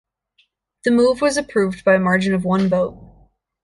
The move was approved by a margin of one vote.